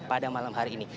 pada malam hari ini